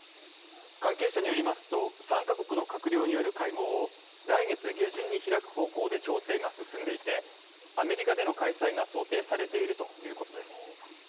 関係者によりますと参加国の閣僚による会合を来月下旬に開く方向で調整が進んでいてアメリカでの開催が想定されているということです。